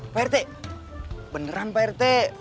pak rt beneran pak rt